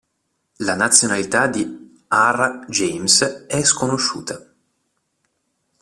La nazionalità di R. James è sconosciuta.